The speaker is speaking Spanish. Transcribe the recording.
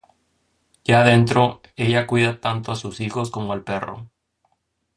Ya dentro, ella cuida tanto a sus hijos como al perro.